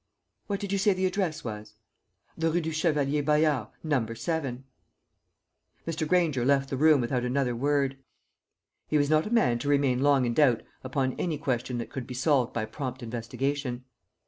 "What did you say the address was?" "The Rue du Chevalier Bayard, Number 7." Mr. Granger left the room without another word. He was not a man to remain long in doubt upon any question that could be solved by prompt investigation.